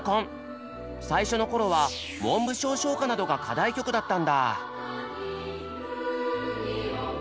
最初の頃は文部省唱歌などが課題曲だったんだ。